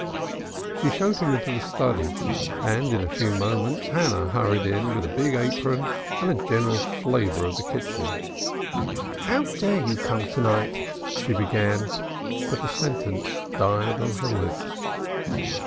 She showed him into the study, and in a few moments Hannah hurried in with a big apron and a general flavor of the kitchen. "How dare you come to night?" she began, but the sentence died on her lips.